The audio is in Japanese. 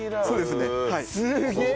すげえ！